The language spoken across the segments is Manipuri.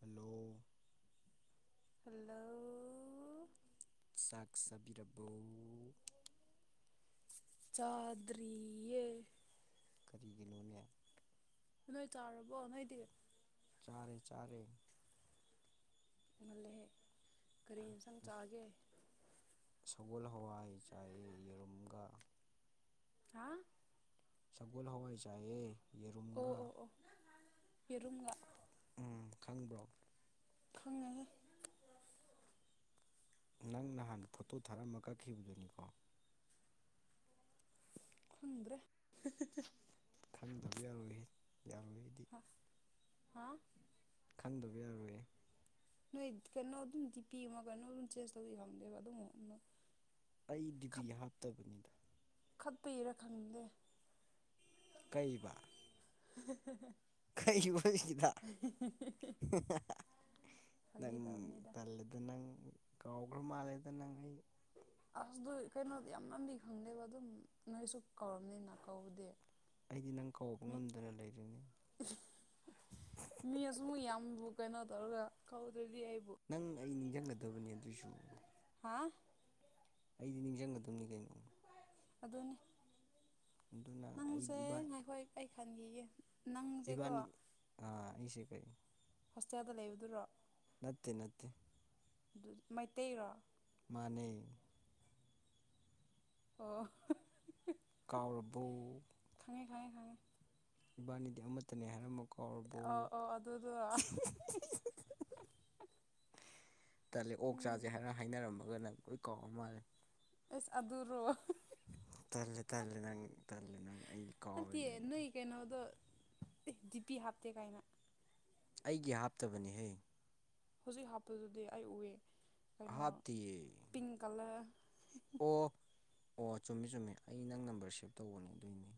ꯍꯜꯂꯣ ꯍꯜꯂꯣ ꯆꯥꯛ ꯆꯥꯕꯤꯔꯕꯣ ꯆꯥꯗꯔꯤꯌꯦ ꯀꯔꯤꯒꯤꯅꯣꯅꯦ ꯅꯣꯏ ꯆꯥꯔꯕꯣ ꯅꯣꯏꯗꯤ ꯆꯥꯔꯦ ꯆꯥꯔꯦ ꯉꯜꯂꯦꯍꯦ ꯀꯔꯤ ꯍꯦꯟꯁꯥꯡ ꯆꯥꯒꯦ ꯁꯒꯣꯜ ꯍꯋꯥꯏ ꯆꯥ ꯍꯥ ꯁꯒꯣꯜ ꯍꯋꯥꯏ ꯆꯥꯏꯌꯦ ꯌꯦꯔꯨꯝ ꯑꯣ ꯌꯦꯔꯨꯝꯒ ꯎꯝ ꯈꯪꯕ꯭ꯔꯣ ꯈꯪꯉꯦꯍꯦ ꯅꯪ ꯅꯍꯥꯟ ꯐꯣꯇꯣ ꯊꯥꯔꯝꯃ ꯀꯛꯈꯤꯕꯗꯨꯅꯤꯀꯣ ꯈꯪꯗ꯭ꯔꯦ ꯈꯪꯗꯕ ꯌꯥꯔꯣꯏꯍꯦ ꯌꯥꯔꯣꯏ ꯑꯩꯗꯤ ꯍꯥ ꯈꯡꯗꯕ ꯌꯥꯔꯣꯏ ꯅꯣꯏ ꯀꯩꯅꯣ ꯑꯗꯨꯝ ꯗꯤ ꯄꯤꯃ ꯀꯩꯅꯣ ꯑꯗꯨꯝ ꯆꯦꯟꯖ ꯇꯧꯋꯦ ꯈꯪꯗꯦꯕ ꯑꯗꯨꯝ ꯑꯩ ꯗꯤꯕꯤ ꯍꯥꯞꯇꯕꯅꯤꯗ ꯈꯠꯄꯩꯔ ꯈꯪꯗꯦ ꯀꯩꯕ [unintelligible] ꯀꯩꯕꯥ ꯍꯧꯖꯤꯛꯀꯤꯗꯣ [unintelligible] [unintelligible] ꯅꯪ ꯇꯜꯂꯦꯗ ꯅꯪ ꯀꯥꯎꯒ꯭ꯔ ꯃꯥꯜꯂꯦꯗ ꯅꯪ ꯑꯩ ꯑꯁ ꯑꯗꯨꯏ ꯀꯩꯅꯣꯗꯤ ꯌꯥꯝ ꯅꯝꯕꯤ ꯈꯪꯗꯦꯕ ꯑꯗꯨꯝ ꯅꯣꯏꯁꯨ ꯀꯥꯎꯔꯝꯅꯤꯅ ꯀꯥꯎꯕꯗꯤ ꯑꯩꯗꯤ ꯅꯪ ꯀꯥꯎꯕ ꯉꯝꯗꯅ ꯂꯩꯔꯤꯅꯤ ꯃꯤ ꯑꯁꯨꯛ ꯌꯥꯝꯕꯨ ꯀꯩꯅꯣ ꯇꯧꯔꯒ ꯀꯧꯗ꯭ꯔꯗꯤ ꯑꯩꯕꯨ ꯅꯪ ꯑꯩ ꯅꯤꯡꯁꯤꯡꯒꯗꯕꯅꯦ ꯑꯗꯨꯏꯁꯨ ꯍꯥ ꯑꯩꯗꯤ ꯅꯤꯡꯁꯤꯡꯒꯗꯕꯅꯤ ꯀꯩꯅꯣ ꯑꯗꯨꯅꯤ ꯅꯪꯁꯦ ꯉꯈꯣꯏ ꯑꯩ ꯈꯟꯈꯤꯒꯦ ꯏꯕꯥꯅꯤ ꯑ ꯑꯩꯁꯦ ꯀꯔꯤ ꯍꯣꯁꯇꯦꯜꯗ ꯂꯩꯕꯗꯨꯔꯣ ꯅꯠꯇꯦ ꯅꯠꯇꯦ ꯑꯗꯨ ꯃꯩꯇꯩꯔꯣ ꯃꯥꯅꯦ ꯑꯣ ꯀꯥꯎꯔꯕ ꯈꯪꯉꯦ ꯈꯪꯉꯦ ꯈꯪꯉꯦ ꯏꯕꯥꯅꯤꯗꯤ ꯑꯃꯠꯇꯅꯦ ꯍꯥꯏꯔꯝꯕ ꯀꯥꯎꯔꯕꯕꯨ ꯇꯜꯂꯦ ꯑꯣꯛ ꯆꯥꯁꯦ ꯍꯥꯏꯔ ꯍꯥꯏꯅꯔꯝꯃꯒ ꯅꯪ ꯂꯣꯏ ꯀꯥꯎꯔꯝ ꯃꯥꯜꯂꯦ ꯑꯦꯁ ꯑꯗꯨꯔꯣ ꯇꯜꯂꯦ ꯇꯜꯂꯦ ꯅꯪ ꯇꯜꯂꯦ ꯅꯪ ꯑꯩ ꯀꯥꯎꯋꯦ ꯅꯪ ꯀꯩꯅꯣꯗ ꯗꯤꯄꯤ ꯍꯥꯞꯇꯦ ꯀꯥꯏꯅ ꯑꯩꯒꯤ ꯍꯥꯞꯇꯕꯅꯤꯍꯦ ꯍꯧꯖꯤꯛ ꯍꯥꯞꯄꯗꯨꯗꯤ ꯑꯩ ꯎꯏ ꯀꯩꯅꯣ ꯄꯤꯡ ꯀꯂꯔ ꯑꯣ ꯑꯣ ꯆꯨꯝꯃꯤ ꯆꯨꯝꯃꯤ ꯑꯩ ꯅꯪ ꯅꯝꯕꯔ ꯁꯦꯞ ꯇꯧꯕꯅꯦ ꯑꯗꯨꯏꯅꯦ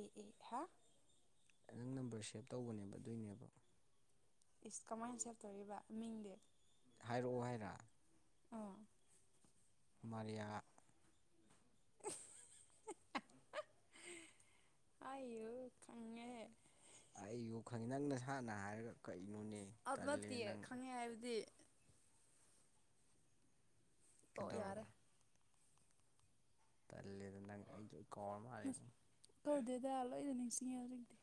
ꯑꯦ ꯑꯦ ꯍꯥ ꯅꯪ ꯅꯝꯕꯔ ꯁꯦꯞ ꯇꯧꯕꯅꯦꯕ ꯑꯗꯨꯏꯅꯦꯕ ꯏꯁ ꯀꯃꯥꯏꯅ ꯁꯦꯞꯇꯧꯔꯤꯕ ꯃꯤꯡꯗꯤ ꯍꯥꯏꯔꯛꯑꯣ ꯍꯥꯏꯔ ꯃꯔꯤꯌꯥ ꯑꯩꯌꯣ ꯈꯪꯉꯦ ꯅꯪ ꯅꯁꯥꯟꯅ ꯍꯥꯏꯔꯒ ꯀꯩꯅꯣꯅꯦ ꯎꯞ ꯅꯠꯇꯦ ꯈꯪꯉꯦ ꯍꯥꯏꯕꯗꯤ ꯀꯩꯗꯧꯔꯕ ꯇꯜꯂꯦꯗ ꯅꯪ ꯑꯩ ꯂꯣꯏ ꯀꯥꯎꯔ ꯃꯥꯜꯂꯦꯉꯣ ꯀꯧꯗꯦꯗ ꯂꯣꯏꯅ ꯅꯤꯡꯁꯤꯡꯉ ꯍꯧꯖꯤꯛꯇꯤ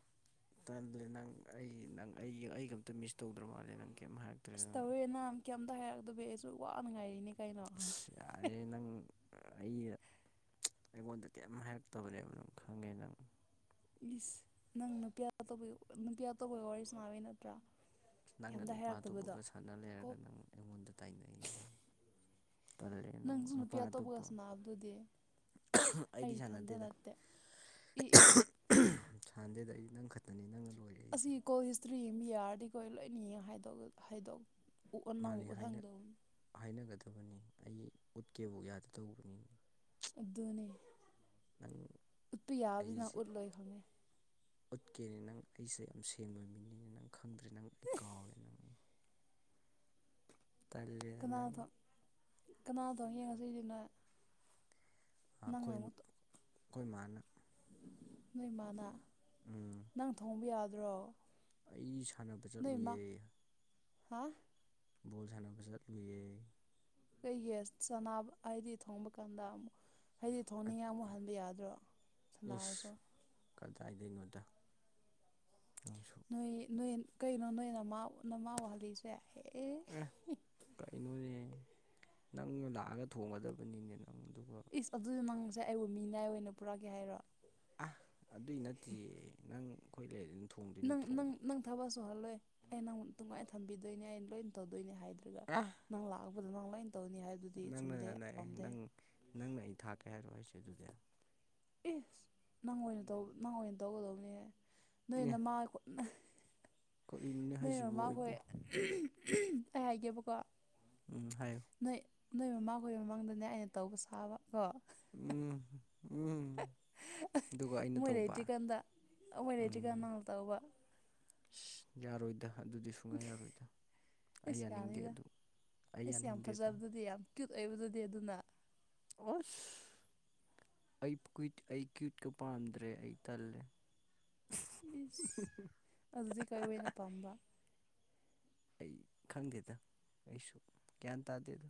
ꯇꯂꯔꯦ ꯅꯪ ꯑꯩ ꯅꯪ ꯑꯩ ꯑꯩꯒ ꯑꯝꯇ ꯃꯤꯁ ꯇꯧꯗ꯭ꯔ ꯃꯥꯜꯂꯦ ꯅꯪ ꯀꯩꯝꯇ ꯍꯥꯏꯔꯛꯇ ꯑꯁ ꯇꯧꯔꯦ ꯅꯪ ꯀꯩꯝꯇ ꯍꯥꯏꯔꯛꯇꯕ ꯑꯩꯁꯨ ꯋꯥꯅ ꯉꯥꯏꯔꯤꯅꯦ ꯀꯩꯅꯣ ꯫ ꯌꯥꯔꯦ ꯅꯪ ꯑꯩꯅ ꯑꯩꯉꯣꯟꯗ ꯀꯔꯤꯝ ꯍꯥꯏꯔꯛꯇꯕꯅꯦꯕꯅꯪ ꯈꯪꯉꯦ ꯅꯪ ꯏꯁ ꯅꯪ ꯅꯨꯄꯤꯌꯥ ꯇꯧꯕ ꯅꯨꯄꯤꯌꯥ ꯇꯧꯕꯒꯤ ꯋꯥꯔꯤꯁꯨ ꯃꯥꯕꯤ ꯅꯠꯇ꯭ꯔꯥ ꯅꯪꯅ ꯅꯨꯄꯥ ꯑꯇꯣꯞꯄꯒ ꯁꯥꯟꯅ ꯂꯩꯔꯒ ꯅꯪ ꯑꯩꯉꯣꯟꯗ ꯇꯥꯏꯅꯩ ꯅꯪ ꯅꯪꯁꯨꯅ ꯄꯌꯥꯇꯕꯕꯨꯒꯁꯅ ꯑꯞꯗꯣꯗꯦ ꯑꯩ ꯊꯟꯗ ꯅꯠꯇꯦ ꯏ ꯏ ꯏ ꯁꯥꯟꯗꯦꯗ ꯑꯩ ꯅꯪ ꯈꯛꯇꯅꯤ ꯅꯪꯅ ꯂꯣꯏꯔ ꯑꯁꯤ ꯀꯣꯏ ꯗ꯭ꯔꯤꯝ ꯌꯥꯌꯥꯔꯗꯤ ꯀꯣꯏ ꯂꯣꯏꯅꯤ ꯍꯥꯏꯗꯣꯛꯑ ꯅꯪꯛ ꯊꯪꯗꯧꯅꯤ ꯍꯥꯏꯅꯒꯗꯕꯅꯤ ꯑꯩ ꯎꯠꯀꯦꯕꯨ ꯌꯥꯗꯗꯧꯕꯅꯤꯅꯤ ꯗꯣꯅꯦ ꯑꯩꯁꯦ ꯎꯠꯀꯦꯅꯦ ꯅꯪ ꯑꯩꯁꯦ ꯌꯥꯝ ꯁꯦꯝꯕ ꯃꯤꯅꯤꯅꯦ ꯅꯪ ꯈꯪꯗ꯭ꯔꯦ ꯅꯪ ꯑꯩ ꯀꯥꯎꯔꯦ ꯅꯪ ꯀꯅꯥ ꯀꯅꯥ ꯇꯧ [unintelligible] ꯅꯪꯂꯝꯕꯣ ꯅꯣꯏ ꯃꯅꯥꯅ ꯅꯪ ꯊꯣꯡꯕ ꯌꯥꯗ꯭ꯔꯣ ꯑꯩ ꯁꯥꯟꯅꯕ ꯆꯠꯂꯨꯌꯦ ꯍꯥ ꯕꯣꯜ ꯁꯥꯟꯅꯕ ꯆꯠꯂꯨꯏꯌꯦ [unintelligible] ꯆꯅꯥ ꯑꯗꯤ ꯊꯣꯡꯕ ꯀꯥꯟꯗ ꯑꯩꯗꯤ ꯊꯣꯡꯅꯤꯡꯉꯦ ꯑꯃꯨꯛ ꯍꯟꯕ ꯌꯥꯗ꯭ꯔꯣ ꯁꯟꯅꯥꯔꯁꯨ ꯀꯗꯥꯏꯗꯩꯅꯣꯗ ꯅꯅꯨꯡꯁꯨ ꯅꯣꯏ ꯅꯣꯏ ꯀꯩꯅꯣ ꯅꯣꯏ ꯅꯃꯥ ꯅꯃꯥ ꯋꯥꯍꯜꯂꯤꯁꯦ ꯑꯦ ꯑꯦ ꯀꯩꯅꯣꯅꯦ ꯅꯪ ꯂꯥꯛꯑꯒ ꯊꯣꯡꯒꯗꯕꯅꯤꯅꯦ ꯅꯪ ꯑꯗꯨꯒ ꯄꯤꯁ ꯑꯗꯨ ꯅꯪꯁꯦ ꯑꯩꯕꯨ ꯃꯤ ꯅꯥꯏ ꯑꯣꯏꯅ ꯄꯨꯔꯛꯑꯒꯦ ꯍꯥꯏꯔꯣ ꯑ ꯑꯗꯨꯏ ꯅꯠꯇꯦ ꯅꯪ ꯑꯩꯈꯣꯏ ꯂꯩ ꯅꯪ ꯅꯪ ꯅꯪ ꯊꯕꯛ ꯁꯨꯍꯜꯂꯣꯏ ꯑꯩ ꯅꯪ ꯅꯨꯡꯉꯥꯏꯅ ꯊꯝꯕꯤꯗꯣꯏꯅꯦ ꯑꯩ ꯂꯣꯏꯅ ꯇꯧꯗꯣꯏꯅꯦ ꯍꯥꯏꯗ꯭ꯔꯒ ꯀ ꯅꯪ ꯂꯥꯛꯕꯗꯣ ꯅꯪ ꯂꯥꯏꯅ ꯇꯧꯅꯤ ꯍꯥꯏ ꯅꯪꯅ ꯅꯑ ꯅꯪ ꯅꯪꯅ ꯑꯩ ꯊꯥꯛꯀꯦ ꯍꯥꯏꯔꯣ ꯑꯩꯁꯦ ꯑꯗꯨꯗꯤ ꯑꯦ ꯅꯪ ꯑꯣꯏꯅ ꯇꯧ ꯅꯪ ꯑꯣꯏꯅ ꯇꯧꯒꯗꯧꯅꯦ ꯅꯣꯏꯅ ꯃꯥ ꯃꯣꯏ ꯑꯃ ꯑꯩꯈꯣꯏ ꯑꯩ ꯍꯥꯏꯒꯦꯕꯀꯣ ꯎꯝ ꯍꯥꯏꯌꯨ ꯅꯣꯏ ꯅꯣꯏ ꯃꯃꯥꯈꯣꯏ ꯃꯃꯥꯡꯗꯅꯦ ꯑꯩꯅ ꯇꯧꯕ ꯁꯥꯕ ꯀꯣ ꯎꯝ ꯎꯝ ꯃꯣꯏꯗ ꯍꯇꯤꯀꯟꯗ ꯃꯣꯏꯅ ꯍꯩꯇꯤꯀꯥꯟ ꯜ ꯇꯧꯕ ꯑꯁ ꯌꯥꯔꯣꯏꯗ ꯑꯗꯨꯗꯤ ꯁ ꯁꯨꯡꯌꯥ ꯌꯥꯔꯣꯏꯗ ꯑꯩ ꯌꯥꯅꯤꯡꯗꯦ ꯑꯗꯨ ꯑꯩ ꯌꯥꯅꯤꯡꯗꯦꯗ ꯀ꯭ꯌꯨꯠ ꯑꯣꯏꯕꯗꯨꯗꯤ ꯑꯗꯨꯅ ꯑꯣ ꯑꯩ ꯀ ꯑꯩ ꯀ꯭ꯋꯏꯠꯀ ꯄꯥꯝꯗ꯭ꯔꯦ ꯑꯩ ꯇꯜꯂꯦ ꯎ ꯑꯗꯨꯗꯤ ꯀꯩ ꯑꯣꯏꯅ ꯄꯥꯝꯕ ꯑꯩ ꯈꯪꯗꯦꯗ ꯑꯩꯁꯨ ꯒ꯭ꯌꯥꯟ ꯇꯥꯗꯦ ꯑꯗꯨꯗꯣ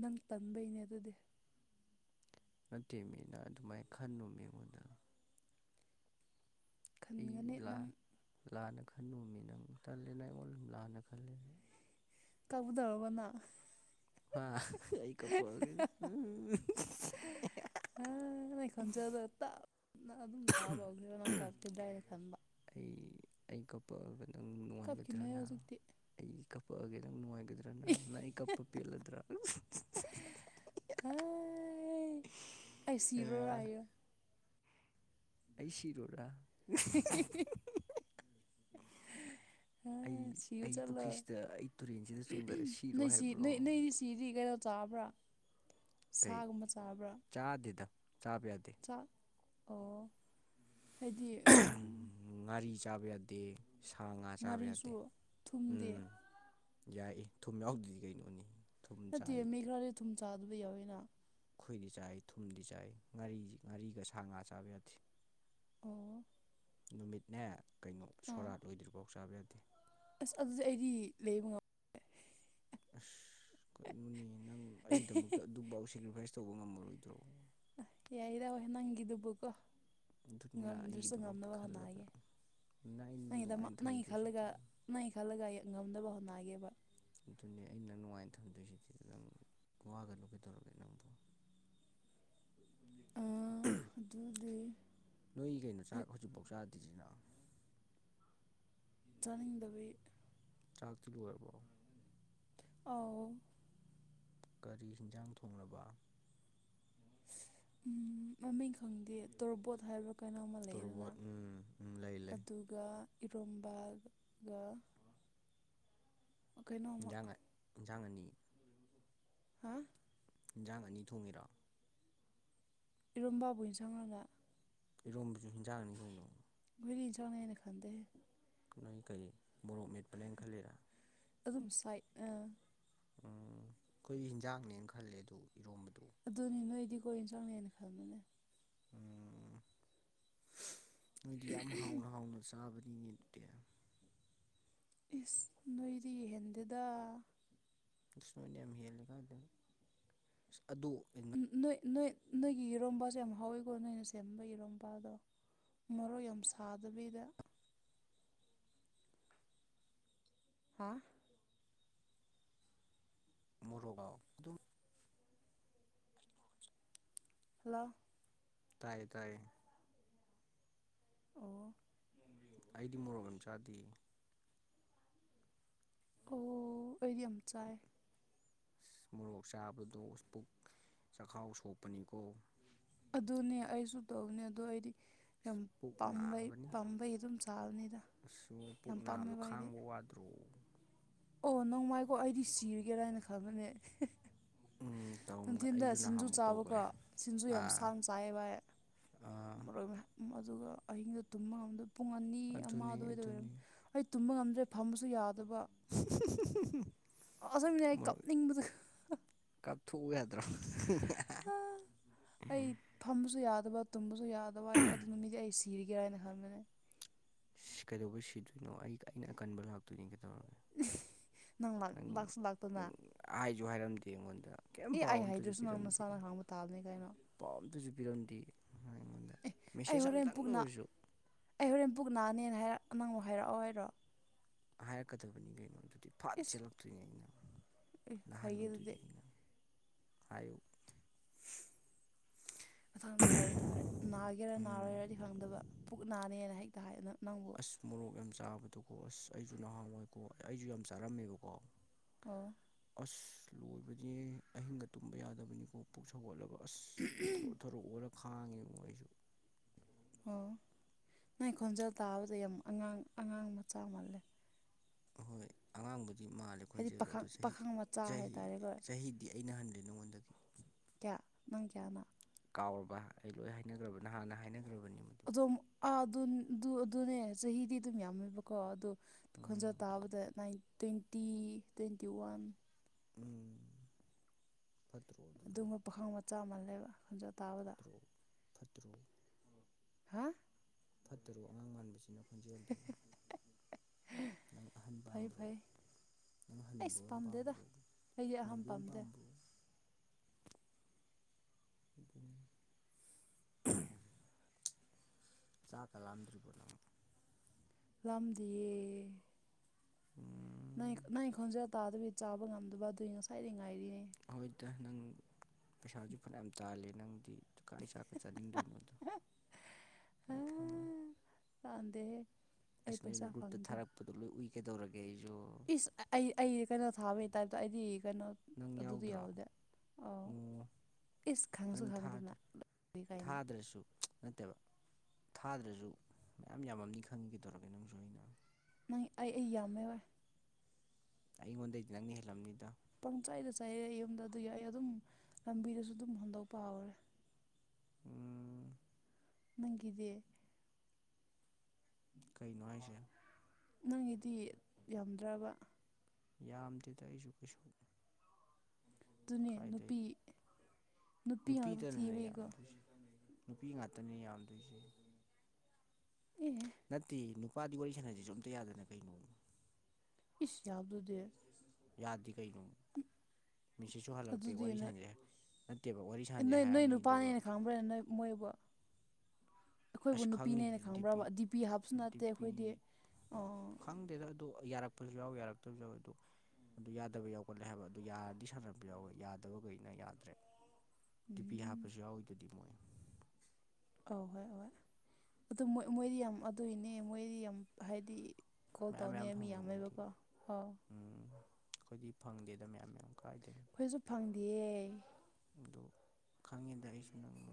ꯅꯪ ꯇꯟꯕꯩꯅꯦ ꯑꯗꯨꯗꯤ ꯑ ꯃꯟꯅꯅꯥꯗ ꯃꯥꯏ ꯈꯥꯟꯅꯨꯡ ꯃ ꯍꯅ ꯑꯩ ꯂꯥꯟꯅ ꯈꯟꯂꯨꯃꯤ ꯅꯪ ꯇꯜꯜꯂꯤꯦꯅ ꯑꯩꯉꯣꯟꯗ ꯑꯗꯨꯝ ꯂꯥꯟꯅ ꯈꯜꯂꯦ ꯀꯛꯕꯨꯗꯕꯅ ꯍꯥ ꯑꯩ ꯀꯄꯒ ꯍꯥ ꯅꯣꯏ ꯈꯣꯟꯖꯗ ꯑꯗꯨꯝ ꯇꯥꯕ ꯍꯧꯈꯤꯕ ꯅꯪ ꯀꯥꯞꯈꯤꯗ꯭ꯔꯥ ꯍꯥꯏꯅ ꯈꯟꯕ ꯑꯩ ꯑꯩ ꯀꯞꯄꯛꯑꯒ ꯅꯪ ꯅꯨꯡꯉꯥꯏꯒꯗ꯭ꯔꯅ ꯑꯩꯒꯤ ꯀꯞꯄꯛꯑꯒꯦ ꯅꯪ ꯅꯨꯡꯉꯥꯏꯒꯗ꯭ꯔ [unintelligible] ꯑꯩ ꯑꯥꯏ ꯁꯤꯔꯣ ꯑꯌ ꯑꯩ ꯁꯤ ꯔꯣꯗꯥꯥ ꯍ ꯁꯤ ꯆꯠꯂꯣꯁꯤ ꯅ ꯆꯤꯗꯤ ꯀꯩꯅꯣ ꯆꯥꯕ꯭ꯔꯥ ꯁꯥꯒꯨꯝꯕ ꯆꯥꯕ꯭ꯔꯥ ꯆꯥꯗꯦꯗ ꯆꯥꯕ ꯌꯥꯗꯦ ꯆꯥꯛ ꯑꯣ ꯍꯥꯏꯗꯤ ꯎ ꯉꯥꯔꯤ ꯆꯥꯕ ꯌꯥꯗꯦ ꯁꯥ ꯉꯥ ꯆꯥꯕ ꯌꯥꯗꯦ ꯎꯝ ꯌꯥꯏꯌꯦ ꯊꯨꯝ ꯌꯥꯎꯗꯗꯤ ꯀꯩꯅꯣꯅꯤ ꯅꯠꯇꯦ ꯃꯤ ꯈ꯭ꯔꯥꯗꯤ ꯊꯨꯝ ꯆꯥꯗꯕ ꯌꯥꯎꯋꯤꯅ ꯑꯩꯈꯣꯏꯗꯤ ꯆꯥꯏ ꯊꯨꯝꯗꯤ ꯆꯥꯏ ꯉꯥꯔꯤ ꯉꯥꯔꯤꯒ ꯁꯥ ꯉꯥ ꯆꯥꯕ ꯌꯥꯗꯦ ꯑꯣ ꯅꯨꯃꯤꯠꯅꯦ ꯀꯩꯅꯣ ꯁꯣꯔꯥꯠ ꯑꯣꯏꯗ꯭ꯔꯤꯐꯥꯎ ꯆꯥꯕ ꯌꯥꯗꯦ ꯑꯁ ꯑꯗꯨꯗꯤ ꯑꯩꯗꯤ ꯂꯩꯕ ꯉꯝꯃ ꯑꯁ ꯀꯔꯤꯩꯅꯣꯅꯦ ꯅꯪ ꯑꯩꯒꯤꯗꯃꯛꯇ ꯑꯗꯨꯐꯥꯎ ꯁꯦꯀ꯭ꯔꯤꯐꯥꯏꯁ ꯇꯧꯕ ꯉꯝꯃꯔꯣꯏꯗ꯭ꯔꯣ ꯑ ꯌꯥꯏꯗꯕꯦ ꯅꯪꯗꯨꯕꯨꯀꯣ ꯉꯝꯗ꯭ꯔꯁꯨ ꯉꯝꯅꯕ ꯍꯣꯠꯅꯒꯦ ꯅꯪꯒꯤꯗ ꯅꯪꯒꯤ ꯈꯜꯂꯒ ꯅꯪ ꯈꯜꯂꯒ ꯑꯩ ꯉꯝꯅꯕ ꯍꯣꯠꯅꯒꯦꯕ ꯑꯗꯨꯅꯦ ꯑ ꯅꯪ ꯅꯨꯡꯉꯥꯏꯅ ꯊꯝꯗꯣꯏꯁꯤꯗꯤ ꯅꯪ ꯋꯥꯒꯅꯨ ꯀꯩꯗꯧꯔꯒꯦ ꯅꯪꯕꯨ ꯑꯗꯨꯗꯤ ꯅꯣꯏꯒꯤ ꯀꯩꯅꯣ ꯆꯥꯛ ꯍꯧꯖꯤꯛꯐꯥꯎ ꯆꯥꯗ ꯆꯥꯅꯤꯡꯗꯕꯤ ꯆꯥꯛ ꯊꯨ ꯃꯔꯔꯕꯥꯎ ꯑꯣ ꯒꯥꯔꯤ ꯍꯤꯟꯖꯥꯡ ꯊꯣꯡꯂꯕ ꯃꯃꯤꯡ ꯈꯪꯗꯦ ꯇꯣꯔꯣꯕꯣꯠ ꯍꯥꯏꯕ꯭ꯔꯥ ꯀꯩꯅꯣꯝꯃ ꯂꯩꯗꯅ ꯑꯗꯨ ꯏꯔꯣꯝꯕꯒ ꯏꯟꯖꯥꯡ ꯏꯟꯖꯥꯡ ꯑꯅꯤ ꯍꯥ ꯏꯟꯖꯥꯡ ꯑꯅꯤ ꯊꯣꯡꯉꯤꯔꯣ ꯏꯔꯣꯝꯕꯥꯕꯨ ꯑꯣꯏꯅꯟ ꯁꯪꯉꯒ ꯏꯔꯣꯝꯕꯁꯨ ꯍꯤꯟꯖꯥꯡꯅꯤ ꯀꯩꯅꯣ ꯃꯤꯔꯤ ꯆꯉꯅ ꯈꯗ ꯅꯣꯏ ꯀꯩ ꯃꯣꯔꯣꯛ ꯃꯦꯠꯄꯅꯦꯅ ꯈꯜꯂꯤꯔꯥ ꯑꯗꯨꯨꯝꯁꯥꯏ ꯑꯩꯈꯣꯏ ꯍꯤꯟꯖꯥꯡꯅꯦꯅ ꯈꯜꯂꯦ ꯑꯗꯨ ꯏꯔꯣꯝꯕꯗꯨ ꯑꯗꯨꯅꯤ ꯅꯣꯏꯗꯤ ꯀꯣꯏ ꯌꯦꯟꯁꯥꯡꯅꯦꯅ ꯈꯪꯕꯅꯦ ꯅꯣꯏꯗꯤ ꯌꯥꯝ ꯍꯥꯎꯅ ꯍꯥꯎꯅ ꯆꯥꯕꯅꯤꯅꯦ ꯑꯗꯨꯗꯤ ꯏꯁ ꯅꯣꯏꯗꯤ ꯍꯦꯟꯗꯗ ꯅꯅ ꯌꯥꯝ ꯍꯦꯜꯂꯦ ꯀꯥꯟꯗ ꯑ ꯑꯗꯨ ꯅꯣꯏ ꯅꯣꯏ ꯅꯣꯏꯒꯤ ꯌꯦꯔꯣꯝꯝꯕꯁꯨꯦ ꯌꯥꯝ ꯍꯧꯥꯎꯋꯤꯀꯣ ꯅꯣꯏꯅ ꯁꯦꯝꯕ ꯌꯦꯔꯣꯝꯕꯗꯣ ꯃꯔꯣꯏ ꯌꯥꯝ ꯁꯥꯗꯕꯤꯗ ꯍꯥꯥ ꯃꯣꯔꯒꯥꯎ ꯑꯗꯨꯝ ꯍꯜꯂꯣ ꯇꯥꯏꯌꯦ ꯇꯥꯏꯌꯦ ꯑꯣ ꯑꯩꯗꯤ ꯃꯣꯔꯣꯛ ꯑꯃ ꯆꯥꯗꯦ ꯑꯣ ꯑꯗꯤꯝ ꯆꯏ ꯃꯣꯔꯣꯛ ꯆꯥꯕꯗꯣ ꯄꯨꯛ ꯆꯈꯥꯎ ꯁꯣꯛꯄꯅꯤꯀꯣ ꯑꯗꯨꯅꯦ ꯑꯩꯁꯨ ꯇꯧꯅꯦ ꯑꯗꯨ ꯑꯩꯗꯤ ꯌꯥꯝ ꯄꯥꯝꯕꯩ ꯄꯥꯝꯕꯩ ꯑꯗꯨꯝ ꯆꯥꯕꯅꯤꯗ ꯑꯁ ꯄꯨꯛ ꯅꯥꯕꯗꯣ ꯈꯥꯡꯕ ꯋꯥꯗ꯭ꯔꯣ ꯑꯣ ꯅꯣꯡꯃꯥꯏꯀꯣ ꯑꯩꯗꯤ ꯁꯤꯔꯒꯦꯔꯥ ꯍꯥꯏꯅ ꯈꯟꯕꯅꯦ ꯎꯝ ꯅꯨꯡꯊꯤꯟꯗ ꯁꯤꯡꯖꯨ ꯆꯥꯕꯀꯣ ꯁꯤꯡꯖꯨ ꯌꯥꯝ ꯁꯥꯅ ꯆꯥꯏꯌꯦꯕ ꯑꯩ ꯃꯔꯣꯏ ꯎꯝ ꯑꯗꯨꯒ ꯑꯍꯤꯡꯗꯣ ꯇꯨꯝꯕꯝ ꯉꯝꯗꯕ ꯄꯨꯡ ꯑꯅꯤ ꯑꯃ ꯑꯗꯨꯋꯥꯏꯗ ꯑꯣꯏꯔꯝ ꯑꯩ ꯇꯨꯝꯕ ꯉꯝꯗ꯭ꯔꯦ ꯐꯝꯕꯁꯨ ꯌꯥꯗꯕ [unintelligible] ꯀꯞ ꯊꯣꯛꯎ ꯌꯥꯗ꯭ꯔꯣ ꯑꯩ ꯐꯝꯕꯁꯨ ꯌꯥꯗꯕ ꯇꯨꯝꯕꯁꯨ ꯌꯥꯗꯕ ꯑꯗꯨ ꯅꯨꯃꯤꯗꯤ ꯑꯩ ꯁꯤꯔꯤꯒꯦꯔ ꯍꯥꯏꯅ ꯈꯟꯕꯅꯦ ꯀꯩꯗꯧꯕ ꯁꯤꯗꯣꯏꯅꯣ ꯑꯩ ꯑꯩꯅ ꯑꯀꯟꯕ ꯂꯥꯛꯇꯣꯏꯅꯤ ꯀꯩꯗꯧꯔꯒꯦ ꯍꯥꯏꯁꯨ ꯍꯥꯏꯔꯝꯗꯦ ꯑꯩꯉꯣꯟꯗ ꯀꯩꯝ ꯄꯥꯎ ꯑꯝꯇꯁꯨ ꯄꯤꯔꯝꯗꯦ ꯄꯥꯎ ꯑꯇꯁꯨ ꯄꯤꯔꯝꯗꯦ ꯑꯩꯉꯣꯟꯗ ꯑꯦ ꯑꯩ ꯍꯣꯔꯦꯟ ꯄꯨꯛ ꯑꯩ ꯍꯣꯔꯦꯟ ꯄꯨꯛ ꯅꯥꯅꯦꯅ ꯍꯥꯏꯔ ꯅꯪꯕꯨ ꯍꯥꯏꯔꯛꯑꯣ ꯍꯥꯏꯔꯣ ꯍꯥꯏꯔꯛꯀꯗꯕꯅꯤ ꯀꯩꯅꯣ ꯑꯗꯨꯗꯤ ꯐꯥꯠ ꯆꯦꯜꯂꯛꯇꯣꯏꯅꯦ ꯑꯩꯅ ꯅꯍꯜꯂꯣꯏꯗꯣꯏꯅꯦ ꯍꯥꯏꯌꯨ ꯃꯊꯪꯗꯤ ꯍꯥꯏꯕ ꯇꯥꯔꯦ ꯅꯥꯒꯦꯔ ꯅꯥꯔꯣꯏꯔꯗꯤ ꯈꯪꯗꯕ ꯄꯨꯛ ꯅꯥꯅꯦꯅ ꯍꯦꯛꯇ ꯍꯥꯏ ꯅꯪꯕꯨ ꯑꯁ ꯃꯣꯔꯣꯛ ꯌꯥꯝ ꯆꯥꯕꯗꯨꯀꯣ ꯑꯁ ꯑꯩꯁꯨ ꯅꯍꯥꯜꯋꯥꯏꯀꯣ ꯑꯩꯁꯨ ꯌꯥꯝ ꯆꯥꯔꯝꯃꯦꯕꯀꯣ ꯑꯣ ꯑꯁ ꯂꯣꯏꯕꯗꯤ ꯑꯍꯤꯡꯒ ꯇꯨꯝꯕ ꯌꯥꯗꯕꯅꯤꯀꯣ ꯄꯨꯛ ꯁꯧꯒꯠꯂꯕꯥ ꯑꯁ ꯊꯧꯔꯣ ꯊꯧꯔꯣ ꯑꯣꯂ ꯈꯥꯡꯉꯦ ꯑꯩꯁꯨ ꯑꯣ ꯅꯩ ꯈꯣꯟꯖꯦꯜ ꯇꯥꯕꯗ ꯌꯥꯝ ꯑꯉꯥꯡ ꯑꯉꯥꯡ ꯃꯆꯥ ꯃꯥꯜꯂꯦ ꯑꯍꯣꯏ ꯑꯉꯥꯡꯕꯨꯗꯤ ꯃꯥꯜꯂꯦ ꯈꯣꯟꯖꯦꯜꯗꯣ ꯑꯗꯨ ꯆꯍꯤ ꯆꯍꯤ ꯆꯍꯤ ꯗꯤ ꯑꯩꯅ ꯍꯟꯗꯦ ꯅꯉꯣꯟꯗꯒꯤ ꯀꯌꯥ ꯅꯪ ꯀꯌꯥꯅꯣ ꯀꯥꯎꯔꯕ ꯑꯩ ꯂꯣꯏ ꯍꯥꯏꯅꯈ꯭ꯔꯕꯅ ꯍꯥꯟꯅ ꯍꯥꯏꯅꯈ꯭ꯔꯕꯅꯤ ꯑꯗꯨꯣꯝ ꯑꯥ ꯑꯗꯨꯅꯦ ꯆꯍꯤꯗꯤ ꯑꯗꯨꯝ ꯌꯥꯝꯃꯦꯕꯀꯣ ꯑꯗꯨ ꯈꯣꯟꯖꯦꯜ ꯇꯥꯕꯗ ꯇ꯭ꯋꯦꯟꯇꯤ ꯇ꯭ꯋꯦꯟꯇꯤ ꯋꯥꯟ ꯎꯝ ꯐꯠꯇ꯭ꯔꯣ ꯑꯗꯨꯒꯨꯝꯕ ꯄꯥꯈꯪ ꯃꯆꯥ ꯃꯜꯂꯦꯕ ꯈꯣꯟꯖꯦꯜ ꯇꯥꯕꯗ [unintelligible] ꯐꯠꯇ꯭ꯔꯣ ꯍꯥ ꯐꯠꯇꯔꯣ ꯑꯉꯥꯡ ꯃꯥꯟꯕꯁꯤꯅ ꯈꯣꯟꯖꯦꯜꯗ ꯅꯪ ꯑꯍꯟ ꯄꯥꯝꯕ꯭ꯔꯣ ꯅꯩꯅ ꯍꯅꯨꯕ ꯌꯥꯝ ꯄꯥꯝꯕ꯭ꯔꯣ ꯍꯅꯨꯕ ꯌꯥꯝ ꯄꯥꯝꯕꯣ [inaudible] ꯆꯥꯛꯀ ꯂꯥꯝꯗ꯭ꯔꯤꯕꯣ ꯅꯪ ꯂꯝꯗꯤꯌꯦ ꯑꯝ ꯅꯪ ꯅꯪ ꯈꯣꯟꯖꯦꯜ ꯇꯥꯗꯕꯤ ꯆꯥꯕ ꯉꯝꯗꯕ ꯑꯗꯨꯒꯤ ꯉꯁꯥꯏꯗꯤ ꯉꯥꯏꯔꯤꯅꯦ ꯍꯣꯏꯗ ꯅꯪ ꯄꯩꯁꯥꯁꯨ ꯐꯅꯌꯥꯝ ꯇꯥꯜꯂꯦ ꯅꯪꯗꯤ ꯀꯥꯏ ꯆꯥꯛꯀ ꯆꯠꯅꯤꯡꯗꯣꯏꯅꯣꯗ ꯑꯩ ꯈꯪꯉꯦ [unintelligible] ꯗꯦꯍꯦ ꯑꯁ ꯅꯣꯏꯅꯥ ꯒ꯭ꯔꯨꯞꯇ ꯊꯥꯔꯛꯄꯗꯣ ꯂꯣꯏ ꯎꯏ ꯀꯩꯗꯧꯔꯒꯦ ꯑꯩꯁꯨ ꯏꯁ ꯑꯩ ꯑꯩ ꯀꯩꯅꯣ ꯊꯥꯕꯩ ꯇꯥꯏꯄꯇꯥ ꯑꯩꯗꯤ ꯀꯩꯅꯣ ꯅꯪ ꯌꯥꯎꯗ꯭ꯔꯣ ꯑꯣ ꯅꯪ ꯊꯥꯗ꯭ꯔꯁꯨ ꯅꯠꯇꯦꯕ ꯊꯥꯗ꯭ꯔꯁꯨ ꯃꯌꯥꯝ ꯌꯥꯝꯃꯝꯅꯤ ꯈꯪꯉꯤ ꯀꯩꯇꯧꯔꯒꯦ ꯅꯪꯁꯨ ꯑꯩꯅ ꯅꯪ ꯑꯩ ꯑꯩ ꯌꯥꯃꯦꯕ ꯑꯩꯉꯣꯟꯗꯩꯗꯤ ꯅꯪꯅ ꯍꯦꯜꯂꯝꯅꯤꯗ ꯄꯪꯆꯥꯏꯗ ꯆꯥꯏꯔꯦ ꯑꯩ ꯌꯨꯝꯗ ꯑꯗꯨꯏ ꯑꯩ ꯑꯗꯨꯝ ꯂꯝꯕꯤꯗꯁꯨ ꯑꯗꯨꯝ ꯍꯩꯟꯗꯣꯛꯄ ꯍꯧꯔꯦ ꯅꯪꯒꯤꯗꯤ ꯀꯩꯅꯣ ꯍꯥꯏꯁꯦ ꯅꯪꯒꯤꯗꯤ ꯌꯥꯝꯗ꯭ꯔꯕ ꯌꯥꯝꯗꯦꯗ ꯑꯩꯁꯨ ꯀꯩꯁꯨ ꯀꯥꯏꯗꯩ ꯅꯨꯄꯤꯇꯅꯅꯦ ꯌꯥꯝꯗꯣꯏꯁꯦ ꯅꯨꯄꯤ ꯉꯥꯛꯇꯅꯦ ꯌꯥꯝꯗꯣꯏꯁꯦ ꯑꯦ ꯅꯠꯇꯦ ꯅꯨꯄꯥꯗꯤ ꯋꯥꯔꯤ ꯁꯥꯟꯅꯁꯤꯁꯨ ꯑꯝꯇ ꯌꯥꯗꯅ ꯀꯩꯅꯣ ꯏꯁ ꯌꯥꯕꯗꯨꯗꯤ ꯌꯥꯗꯦ ꯀꯩꯅꯣ ꯃꯦꯁꯦꯁ ꯁꯨ ꯍꯜꯂꯛꯇꯦ ꯋꯥꯔꯤ ꯁꯥꯟꯖꯩ ꯅꯠꯇꯦꯕ ꯋꯥꯔꯤ ꯁꯥꯟꯖꯦ ꯍꯥꯏꯔꯅꯤ [unintelligible] ꯈꯪꯕ꯭ꯔ [unintelligible] ꯃꯣꯏꯕꯣ ꯑꯩꯈꯣꯏꯕꯨ ꯅꯨꯄꯤꯅꯦꯅ ꯈꯪꯕ꯭ꯔꯕ ꯗꯤ ꯄꯤ ꯍꯥꯞꯁꯨ ꯅꯠꯇꯦ ꯑꯩꯈꯣꯏꯗꯤ [unintelligible] [unintelligible] ꯑꯗꯨ ꯌꯥꯔꯛꯄꯁꯨ ꯌꯥꯎ ꯌꯥꯔꯛꯇꯕꯁꯨ ꯌꯥꯎꯏ ꯑꯗꯨ ꯑꯗꯨ ꯌꯥꯗꯕ ꯌꯥꯎꯒꯜꯂꯦ ꯍꯥꯏꯕ ꯑꯗꯨ ꯌꯥꯔꯗꯤ ꯁꯥꯟꯅꯕꯥ ꯌꯥꯎꯋꯦ ꯌꯥꯗꯕꯈꯩꯅ ꯌꯥꯗ꯭ꯔꯦ ꯗꯤ ꯄꯤ ꯍꯥꯞꯄꯁꯨ ꯌꯥꯎꯏꯗꯨꯗꯤ ꯃꯣꯏ ꯑꯍꯣꯏ ꯑꯍꯣꯏ ꯑꯗꯨꯣꯏ ꯃꯣꯏꯗꯤ ꯌꯥꯝ ꯑꯗꯨꯒꯤꯅꯦ ꯃꯣꯏꯗꯤ ꯌꯥꯝ ꯍꯥꯏꯗꯤ ꯀꯣꯜ ꯇꯧꯅꯤꯉꯥꯏ ꯃꯤ ꯌꯥꯝ ꯂꯩꯕꯀꯣ ꯍ ꯎꯝ ꯑꯩꯈꯣꯏꯗꯤ ꯐꯪꯗꯦꯗ ꯃꯌꯥꯝ ꯃꯌꯥꯝ ꯀꯥꯏꯗꯩꯅꯣ ꯑꯩꯈꯣꯏꯁꯨ ꯐꯪꯗꯤꯌꯦ ꯑꯗꯣ ꯈꯪꯉꯦꯗ ꯑꯩꯁꯨ ꯅꯪ [inaudible]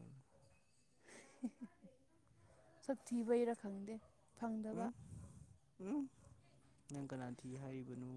ꯁꯛ ꯊꯤꯕꯩꯔ ꯈꯪꯗꯦ ꯐꯪꯗꯕ ꯍꯨꯝ ꯅꯪ ꯀꯅꯥ ꯊꯤ ꯍꯥꯏꯔꯤꯕꯅꯣ